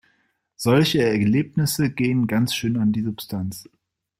Solche Erlebnisse gehen ganz schön an die Substanz.